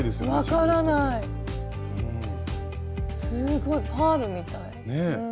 すごいパールみたい。